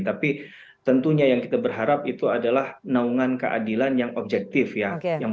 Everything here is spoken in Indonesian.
tapi tentunya yang kita berharap itu adalah naungan keadilan yang objektif ya